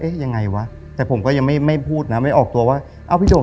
ยังไงวะแต่ผมก็ยังไม่พูดนะไม่ออกตัวว่าเอ้าพี่โด่ง